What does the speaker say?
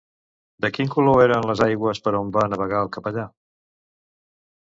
De quin color eren les aigües per on va navegar el capellà?